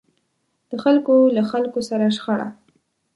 د خلکو له خلکو سره شخړه.